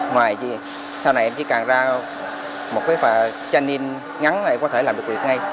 ngoài chỉ sau này em chỉ càng ra một cái chân in ngắn là em có thể làm được việc ngay